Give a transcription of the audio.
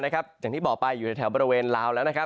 อย่างที่บอกไปอยู่ในแถวบริเวณลาวแล้วนะครับ